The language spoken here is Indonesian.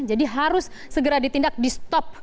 jadi harus segera ditindak di stop